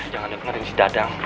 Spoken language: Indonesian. jangan dengerin si dadang